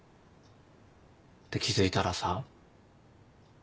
で気付いたらさ。